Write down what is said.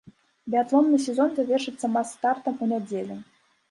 Біятлонны сезон завершыцца мас-стартам у нядзелю.